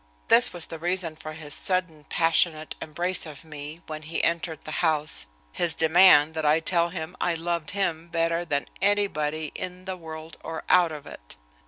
This was the reason for his sudden, passionate embrace of me when he entered the house, his demand that I tell him I loved him better than anybody in the world or out of it.